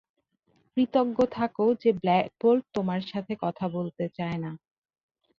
কৃতজ্ঞ থাকো যে ব্ল্যাক বোল্ট তোমার সাথে কথা বলতে চায় না।